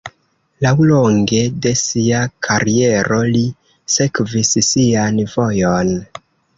Laŭlonge de sia kariero, li "sekvis sian vojon".